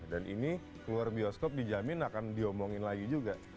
dan ini keluar bioskop dijamin akan diomongin lagi juga